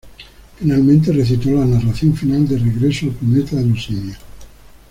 Finalmente, recitó la narración final de "Regreso al Planeta de los Simios".